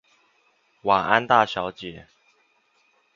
晚安大小姐